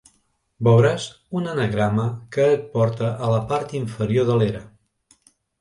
Beuràs un anagrama que et porta a la part inferior de l'era.